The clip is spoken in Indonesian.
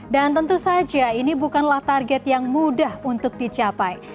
dan tentu saja ini bukanlah target yang mudah untuk dicapai